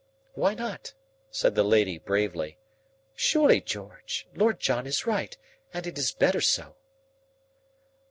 "Why not?" said the lady bravely. "Surely, George, Lord John is right and it is better so."